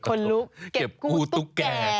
คนลุกเก็บกู้ตุ๊กแก่